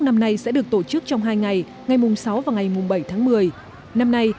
năm nay sẽ được tổ chức trong hai ngày ngày mùng sáu và ngày mùng bảy tháng một mươi năm nay